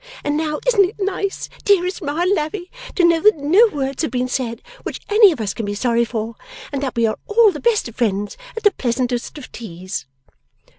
And now, isn't it nice, dearest Ma and Lavvy, to know that no words have been said which any of us can be sorry for, and that we are all the best of friends at the pleasantest of teas!